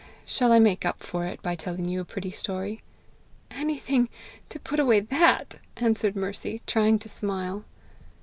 Shall I make up for it by telling you a pretty story?" "Anything to put away that!" answered Mercy, trying to smile.